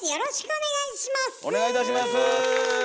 お願いいたします。